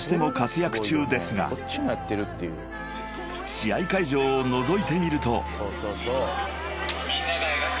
［試合会場をのぞいてみると］